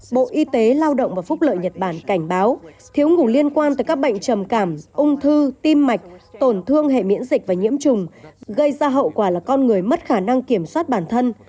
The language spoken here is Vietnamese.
bộ y tế lao động và phúc lợi nhật bản cảnh báo thiếu ngủ liên quan tới các bệnh trầm cảm ung thư tim mạch tổn thương hệ miễn dịch và nhiễm trùng gây ra hậu quả là con người mất khả năng kiểm soát bản thân